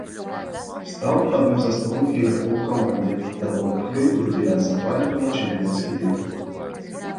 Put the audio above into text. Стаў адным з асноўных ігракоў каманды, дапамог ёй другі раз запар атрымаць чэмпіёнскі тытул.